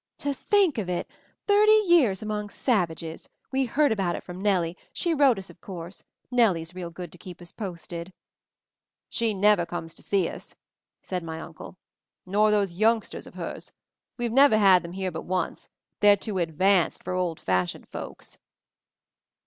"To think of it! Thirty years among savages! We heard about it from Nellie — she wrote MOVING THE MOUNTAIN 279 us, of course. Nellie's real good to Keep us posted." "She never comes to see us!" said my Uncle. "Nor those youngsters of hers. We've never had them here but once. They're too 'advanced' for old fashioned folks."